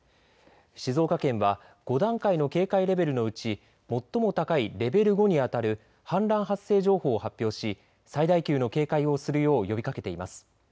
静岡県は５段階の警戒レベルのうち最も高いレベル５にあたる氾濫発生情報を発表し最大級の警戒をするよう呼びかけています。